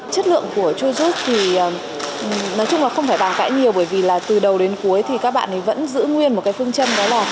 chất lượng của chujut thì nói chung là không phải bàn cãi nhiều bởi vì là từ đầu đến cuối thì các bạn ấy vẫn giữ nguyên một cái phương châm đó là